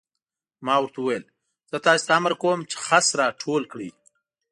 ما ورته وویل: زه تاسې ته امر کوم چې خس را ټول کړئ.